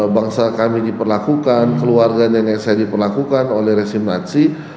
bangsa kami diperlakukan keluarga nenek saya diperlakukan oleh resim aksi